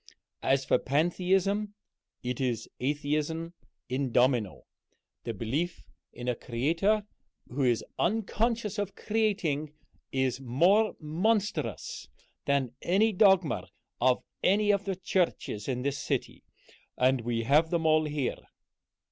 As for Pantheism, it is Atheism in domino. The belief in a Creator who is unconscious of creating is more monstrous than any dogma of any of the churches in this city, and we have them all here."